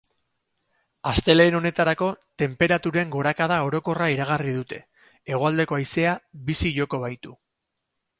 Astelehen honetarako tenperaturen gorakada orokorra iragarri dute, hegoaldeko haizea bizi joko baitu.